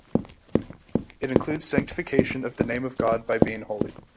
It includes sanctification of the name of God by being holy.